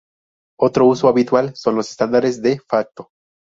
Otro uso habitual son los estándares "de facto".